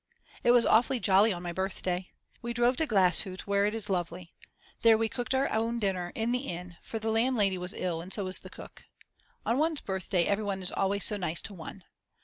It was awfully jolly on my birthday. We drove to Glashutte where it is lovely; there we cooked our own dinner in the inn for the landlady was ill and so was the cook. On one's birthday everyone is always so nice to one.